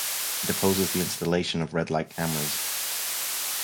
It opposes the installation of red light cameras.